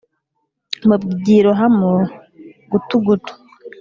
Babyirohamo gutugutu